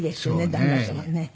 旦那様のね。